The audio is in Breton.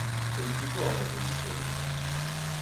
Un ti-forn a zo ouzhpenn.